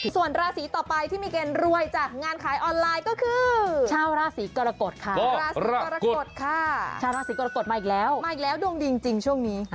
ส่วนราศรีต่อไปที่มีเกณฑ์รวยจากงานขายออนไลน์ก็คือชาวราศรีกรกฎค่ะชาวราศรีกรกฎมาอีกแล้วดวงดีจริงช่วงนี้